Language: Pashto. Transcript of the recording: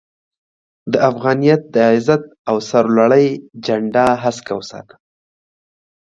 د افغانيت د عزت او سر لوړۍ جنډه هسکه وساته